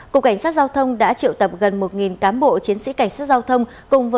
cục cảnh sát giao thông đã triệu tập gần một cán bộ chiến sĩ cảnh sát giao thông